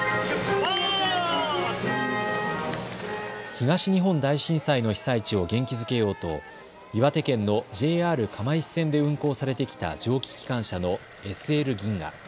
東日本大震災の被災地を元気づけようと岩手県のＪＲ釜石線で運行されてきた蒸気機関車のＳＬ銀河。